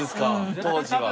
当時は。